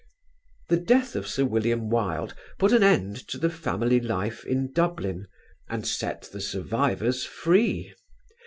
The death of Sir William Wilde put an end to the family life in Dublin, and set the survivors free.